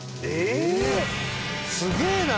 すげえな！